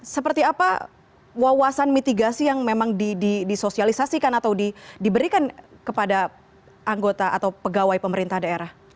seperti apa wawasan mitigasi yang memang disosialisasikan atau diberikan kepada anggota atau pegawai pemerintah daerah